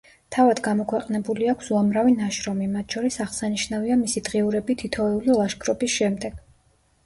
თავად გამოქვეყნებული აქვს უამრავი ნაშრომი, მათ შორის აღსანიშნავია მისი დღიურები თითოეული ლაშქრობის შემდეგ.